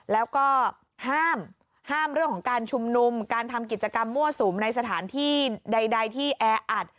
แล้วก็ห้ามเรื่องของการชุมนุมการทำกิจกรรมมั่วสุมในสถานที่ใดที่แออัด